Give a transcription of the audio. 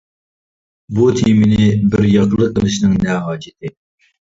بۇ تېمىنى بىر ياقلىق قىلىشنىڭ نە ھاجىتى؟ !